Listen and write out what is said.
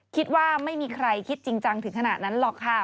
คิดว่าไม่มีใครคิดจริงจังถึงขนาดนั้นหรอกค่ะ